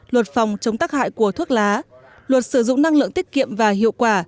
luật phòng chống tắc hại của thuốc lá luật sử dụng năng lượng tiết kiệm và hiệu quả